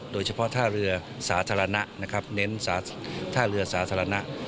โดยเฉพาะท่าเรือสาธารณะนะครับเน้นท่าเรือสาธารณะ